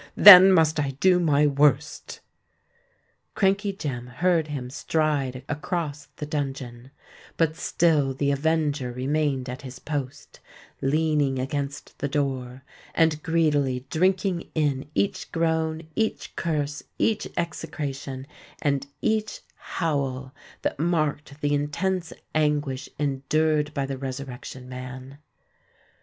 Then must I do my worst!" Crankey Jem heard him stride across the dungeon; but still the avenger remained at his post,—leaning against the door, and greedily drinking in each groan—each curse—each execration—and each howl, that marked the intense anguish endured by the Resurrection Man.